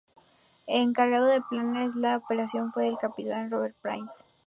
El encargado de planear la operación fue el capitán Robert Prince.